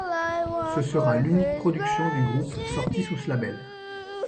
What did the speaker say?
Ce sera l'unique production du groupe sortie sous ce label.